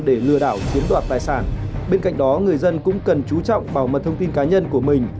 để lừa đảo chiếm đoạt tài sản bên cạnh đó người dân cũng cần chú trọng bảo mật thông tin cá nhân của mình